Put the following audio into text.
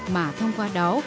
mà thông qua đó